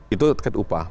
itu terkait upah